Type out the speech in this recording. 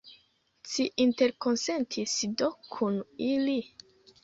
Ci interkonsentis do kun ili?